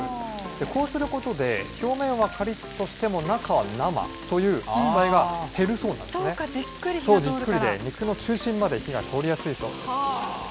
こうすることで、表面はかりっとしても中は生という失敗が減るそそうか、じっくり火が通るか肉の中心まで火が通りやすいそうです。